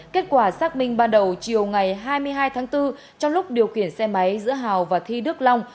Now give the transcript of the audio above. kết quả xác minh ban đầu chiều ngày hai mươi hai tháng bốn trong lúc điều khiển xe máy giữa hào và thi đức long